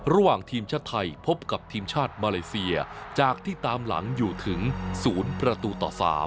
ระหว่างทีมชาติไทยพบกับทีมชาติมาเลเซียจากที่ตามหลังอยู่ถึง๐ประตูต่อ๓